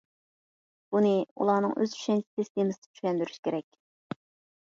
بۇنى ئۇلارنىڭ ئۆز چۈشەنچە سىستېمىسىدا چۈشەندۈرۈش كېرەك.